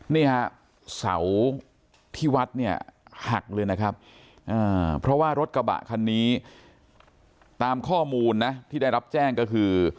นี่ฮะเสาที่วัดเนี่ยหักเลยนะครับเพราะว่ารถกระบะคันนี้ตามข้อมูลนะที่ได้รับแจ้งก็คือ